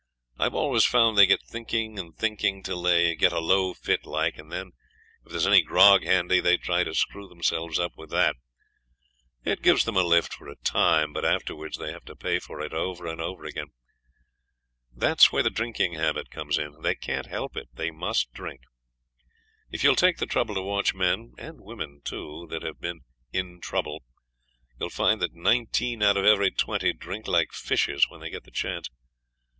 I've always found they get thinking and thinking till they get a low fit like, and then if there's any grog handy they try to screw themselves up with that. It gives them a lift for a time, but afterwards they have to pay for it over and over again. That's where the drinking habit comes in they can't help it they must drink. If you'll take the trouble to watch men (and women too) that have been 'in trouble' you'll find that nineteen out of every twenty drink like fishes when they get the chance.